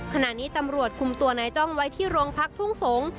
ขณะนี้ตำรวจคุมตัวนายจ้องไว้ที่โรงพักทุ่งสงศ์